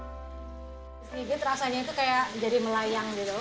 sedikit rasanya itu kayak jadi melayang gitu